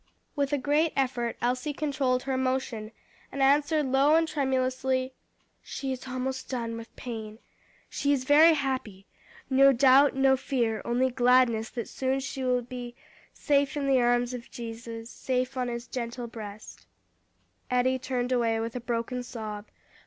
With a great effort Elsie controlled her emotion, and answered low and tremulously, "She is almost done with pain. She is very happy no doubt, no fear, only gladness that soon she will be 'Safe in the arms of Jesus, Safe on his gentle breast'" Eddie turned away with a broken sob.